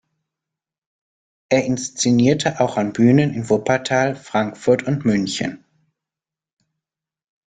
Er inszenierte auch an Bühnen in Wuppertal, Frankfurt und München.